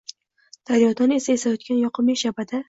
Daryodan esayotgan yoqimli shabada